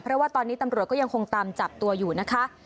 เพราะว่าตอนนี้ตำรวจก็ยังคงตามจับตัวอยู่นะคะ